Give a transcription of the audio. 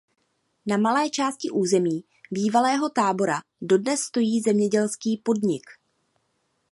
Na malé části území bývalého tábora dodnes stojí zemědělský podnik.